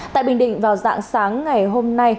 tại bình định vào dạng sáng ngày hôm nay